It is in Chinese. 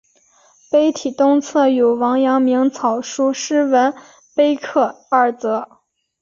碑体东侧有王阳明草书诗文碑刻二则。